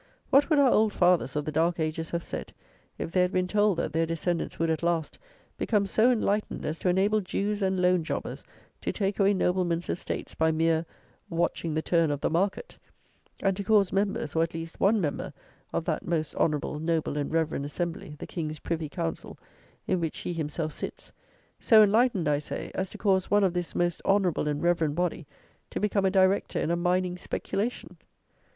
What would our old fathers of the "dark ages" have said, if they had been told, that their descendants would, at last, become so enlightened as to enable Jews and loan jobbers to take away noblemen's estates by mere "watching the turn of the market," and to cause members, or, at least, one Member, of that "most Honourable, Noble, and Reverend Assembly," the King's Privy Council, in which he himself sits: so enlightened, I say, as to cause one of this "most Honourable and Reverend body" to become a Director in a mining speculation?